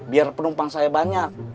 biar penumpang saya banyak